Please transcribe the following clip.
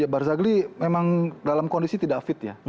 barzagli memang dalam kondisi tidak fit ya